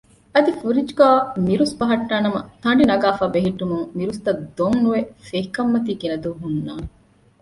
އަދި ފުރިޖުގައި މިރުސް ބަހައްޓާނަމަ ތަނޑި ނަގާފައި ބެހެއްޓުމުން މިރުސްތައް ދޮން ނުވެ ފެހިކަންމަތީ ގިނަ ދުވަހު ހުންނާނެ